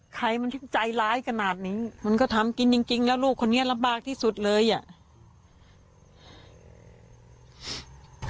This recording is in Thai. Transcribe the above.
ใครมันชิ้นใจร้ายขนาดนี้มันก็ทำยิ่งแล้วลูกคนนี้ระบากที่สุดเลยี่